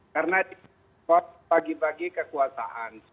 karena bagi bagi kekuasaan